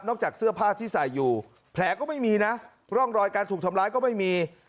จากเสื้อผ้าที่ใส่อยู่แผลก็ไม่มีนะร่องรอยการถูกทำร้ายก็ไม่มี